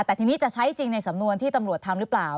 แต่ทีนี้จะใช้จริงในสำนวนที่ตำรวจทำหรือเปล่า